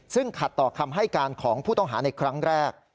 ซึ่งขัดต่อคำให้การของผู้ต้องหาในครั้งแรก